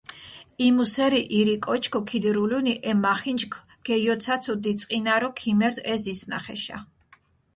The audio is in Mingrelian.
იმუ სერი ირი კოჩქჷ ქიდირულუნი, ე მახინჯქჷ გეიოცაცუ დი წყინარო ქიმერთ ე ზისჷნახეშა.